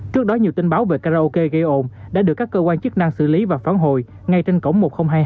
trước đó nhiều tin báo về karaoke gây ồn đã được các cơ quan chức năng xử lý và phản hồi ngay trên cổng một nghìn hai mươi hai